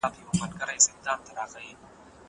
هغه څوک چي ليک لولي پوهه اخلي!!